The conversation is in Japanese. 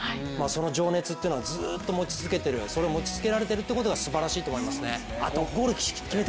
その情熱っていうのをずっと持ち続けている、持ち続けられているというのがすばらしいと思いますね。